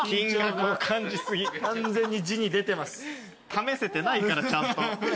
試せてないからちゃんと。